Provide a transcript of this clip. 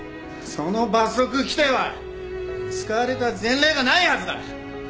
その罰則規定は使われた前例がないはずだ。